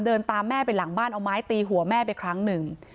ตามแม่ไปหลังบ้านเอาไม้ตีหัวแม่ไปครั้งหนึ่ง